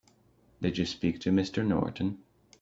Did you speak to Mr. Norton?